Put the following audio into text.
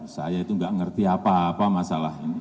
saya itu nggak ngerti apa apa masalah ini